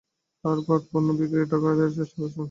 তাঁরা পাটপণ্য বিক্রির টাকা আদায়ের চেষ্টা করছেন।